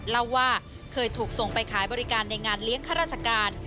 เล่าว่าเคยถูกส่งไปขายบริการในงานเลี้ยงข้าราชการ